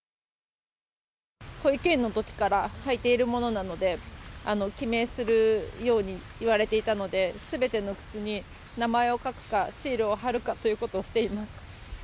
保育園のときから履いているものなので、記名するように言われていたので、すべての靴に名前を書くか、シールを貼るかということをしています。